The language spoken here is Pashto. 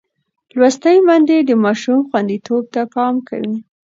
لوستې میندې د ماشوم خوندیتوب ته پام کوي.